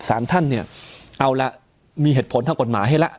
สารท่านเนี่ยเอาละมีเหตุผลทางกฎหมายให้ละ